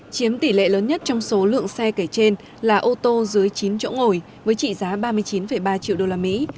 chiếm tỷ lệ lớn nhất trong số lượng xe kể trên là ô tô dưới chín chỗ ngồi với trị giá ba mươi chín ba triệu đô la mỹ